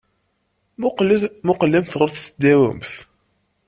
Mmuqqlemt ɣer sdat-went.